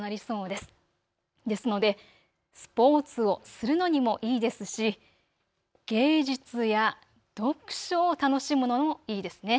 ですのでスポーツをするのにもいいですし芸術や読書を楽しむのもいいですね。